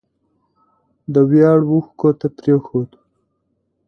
د ویاړ اوښکو ته پرېښود